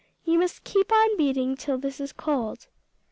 You must keep on beating till this is cold.